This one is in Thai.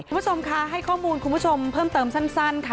คุณผู้ชมค่ะให้ข้อมูลคุณผู้ชมเพิ่มเติมสั้นค่ะ